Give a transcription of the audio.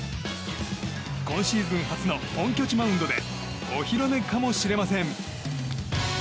今シーズン初の本拠地マウンドでお披露目かもしれません。